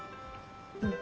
うん。